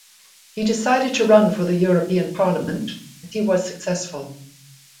He decided to run for the European Parliament and he was successful.